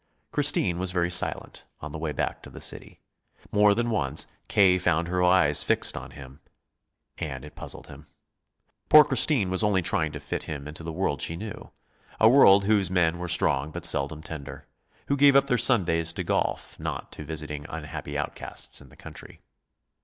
Christine was very silent, on the way back to the city. More than once K. found her eyes fixed on him, and it puzzled him. Poor Christine was only trying to fit him into the world she knew a world whose men were strong but seldom tender, who gave up their Sundays to golf, not to visiting unhappy outcasts in the country.